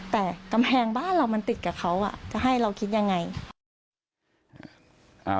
แต่กำแพงบ้านเรามันติดกับเขาจะให้เราคิดยังไง